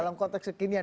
dalam konteks kekinian